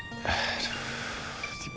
belum ada kau